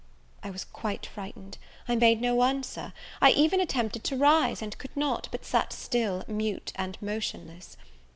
I was quite frightened; I made no answer; I even attempted to rise, and could not, but sat still, mute and motionless.